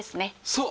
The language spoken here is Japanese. そう！